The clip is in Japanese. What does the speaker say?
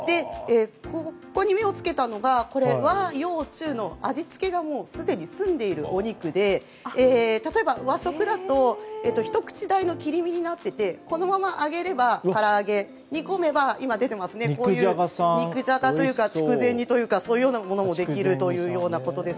ここに目を付けたのが和、洋、中の味付けがすでに済んでいるお肉で例えば、和食だとひと口大の切り身になっていてこのまま揚げれば、から揚げ煮込めば、肉じゃがというか筑前煮というかそういうようなものもできるということです。